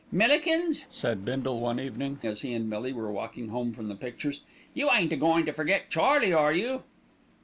"Millikins!" said Bindle one evening, as he and Millie were walking home from the pictures, "you ain't a goin' to forget Charlie, are you?"